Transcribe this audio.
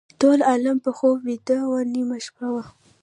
ټول عالم په خوب ویده و نیمه شپه وه.